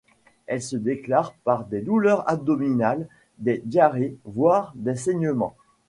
Elle se déclare par des douleurs abdominales, des diarrhées voire des saignements.